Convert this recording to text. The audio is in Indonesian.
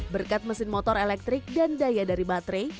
berkat mesin motor elektrik dan daya dari baterai